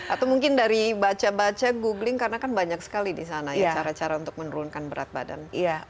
atau mungkin dari baca baca googling karena kan banyak sekali di sana ya cara cara untuk menurunkan berat badan